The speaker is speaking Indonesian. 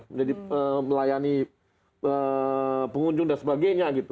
menjadi melayani pengunjung dan sebagainya gitu